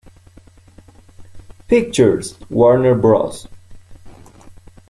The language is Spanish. Pictures, Warner Bros.